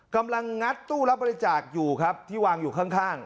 งัดตู้รับบริจาคอยู่ครับที่วางอยู่ข้าง